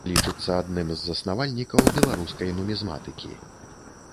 Лічыцца адным з заснавальнікаў беларускай нумізматыкі.